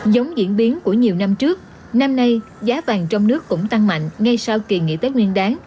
giống diễn biến của nhiều năm trước năm nay giá vàng trong nước cũng tăng mạnh ngay sau kỳ nghỉ tết nguyên đáng